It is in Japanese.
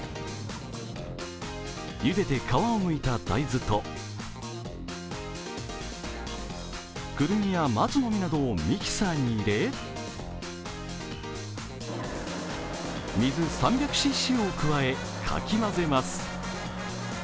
ゆでて皮をむいた大豆とクルミや松の実などをミキサーに入れ水３００ｃｃを加えかき混ぜます。